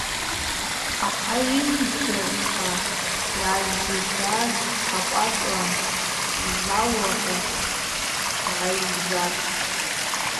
Ахӏ йынбжьагӏвчва йъазихӏваз апӏатла йазалуата йгӏайззатӏ.